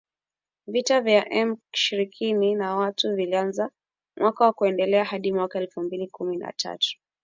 Vita vya M kshirini na tatu vilianza mwaka na kuendelea hadi mwaka elfu mbili na kumi na tatu